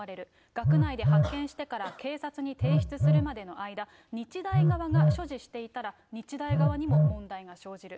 学内で発見してから警察に提出するまでの間、日大側が所持していたら、日大側にも問題が生じる。